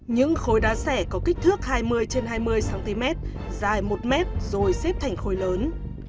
những khối đá xẻ có kích thước hai mươi trên hai mươi cm dài một m rồi xếp thành khối lớn